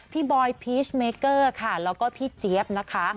บอยพีชเมเกอร์ค่ะแล้วก็พี่เจี๊ยบนะคะ